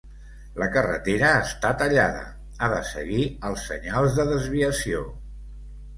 La carretera està tallada. Ha de seguir els senyals de desviació.